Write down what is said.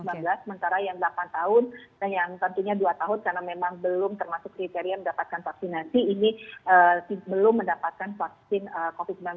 sementara yang delapan tahun dan yang tentunya dua tahun karena memang belum termasuk kriteria mendapatkan vaksinasi ini belum mendapatkan vaksin covid sembilan belas